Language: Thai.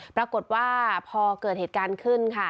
ปรากฏว่าพอเกิดเหตุการณ์ขึ้นค่ะ